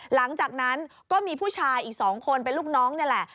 หลังจากนั้นก็มีผู้ชายอีก๒คนเป็นลูกน้องนี่แหละ